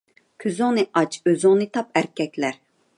كۆزۈڭنى ئاچ، ئۆزۈڭنى تاپ ئەركەكلەر